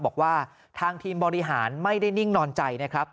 บอกว่าทางทีมบริหารไม่ได้นิ่งนอนใจนะครับ